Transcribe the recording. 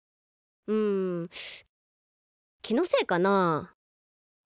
うんきのせいかなあ。